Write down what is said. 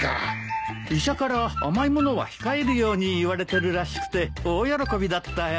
医者から甘い物は控えるように言われてるらしくて大喜びだったよ。